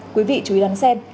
quý vị chú ý đăng xem